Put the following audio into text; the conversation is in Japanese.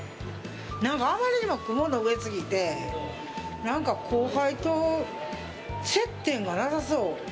なんか、あまりにも雲の上すぎて、なんか後輩と接点がなさそう。